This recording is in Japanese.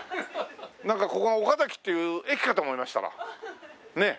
なんかここが「おかざき」という駅かと思いましたらねえ？